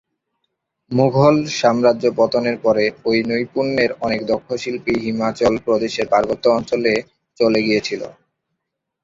মুঘল সাম্রাজ্য পতনের পরে, এই নৈপুণ্যের অনেক দক্ষ শিল্পী হিমাচল প্রদেশের পার্বত্য অঞ্চলে চলে গিয়েছিল।